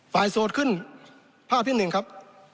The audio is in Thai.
โสดขึ้นภาพที่หนึ่งครับ